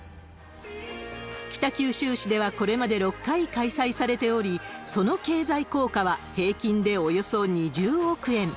北九州市ではこれまで６回開催されており、その経済効果は平均でおよそ２０億円。